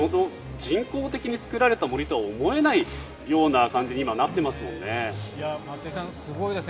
人工的に作られた杜とは思えないような感じに今なってますもんね。